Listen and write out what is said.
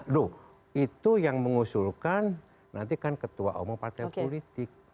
loh itu yang mengusulkan nanti kan ketua umum partai politik